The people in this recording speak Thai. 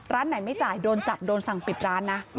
ร้านไหนไม่จ่ายโดนจับโดนสั่งปิดร้านนะ